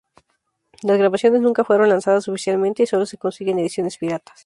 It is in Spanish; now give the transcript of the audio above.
Las grabaciones nunca fueron lanzadas oficialmente y sólo se consiguen ediciones piratas.